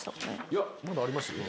いやまだありますよ。